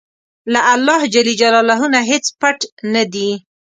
له الله نه هیڅ پټ نه دي.